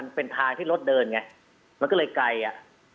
มันก็เลยไกลอะ